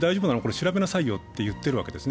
調べなさいよと言っているわけですね。